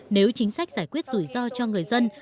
nếu chính sách giải quyết rủi ro cho người dân